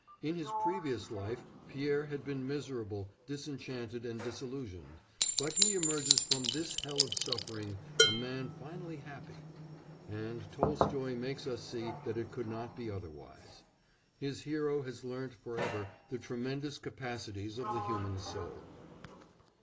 In his previous life Pierre has been miserable, disenchanted, and disillusioned, but he emerges from this hell of suffering a man finally happy. And Tolstoy makes us see that it could not be otherwise; his hero has learnt for ever the tremendous capacities of the human soul.